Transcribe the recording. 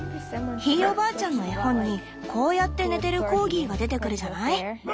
ひいおばあちゃんの絵本にこうやって寝てるコーギーが出てくるじゃない？